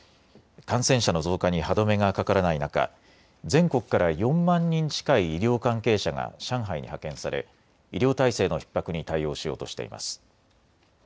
感染者の増加に歯止めがかからない中、全国から４万人近い医療関係者が上海に派遣され医療体制のひっ迫に対応しようとしています。